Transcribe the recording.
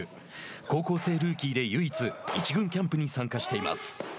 高校生ルーキーで唯一１軍キャンプに参加しています。